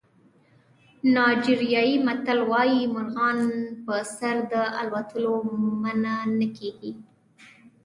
نایجریایي متل وایي مرغان په سر د الوتلو منع نه کېږي.